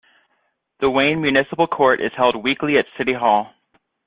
The Wayne Municipal Court is held weekly at City Hall.